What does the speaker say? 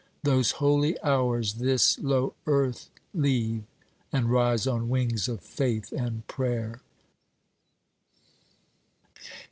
Those holy hours this, low earth leave, And rise on wings of faith and prayer."